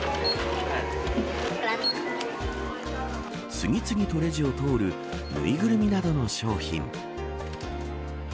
次々とレジを通る縫いぐるみなどの商品。